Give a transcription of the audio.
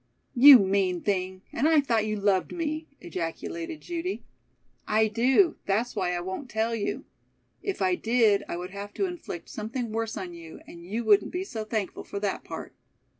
"You mean thing, and I thought you loved me," ejaculated Judy. "I do. That's why I won't tell you. If I did, I would have to inflict something worse on you, and you wouldn't be so thankful for that part."